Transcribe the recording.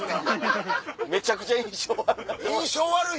めちゃくちゃ印象悪い。